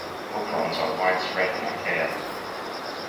Operons are widespread in archaea.